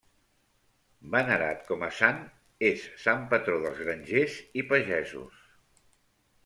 Venerat com a sant, és sant patró dels grangers i pagesos.